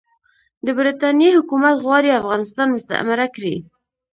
د برټانیې حکومت غواړي افغانستان مستعمره کړي.